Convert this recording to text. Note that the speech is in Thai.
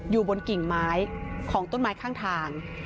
อยู่บนกิ่งไม้ของต้นไม้ข้างทาง